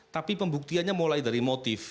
tapi pembuktiannya mulai dari motif